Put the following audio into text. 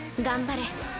頑張れ。